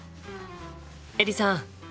エリさん。